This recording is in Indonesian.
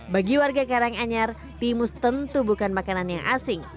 bagi warga karanganyar timus tentu bukan makanan yang asing